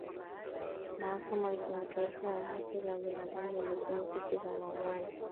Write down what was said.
mahakama ya kimataifa ya haki za binadamu ilihukumu kesi za mauaji